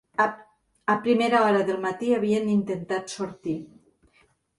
A primera hora del matí havien intentat sortir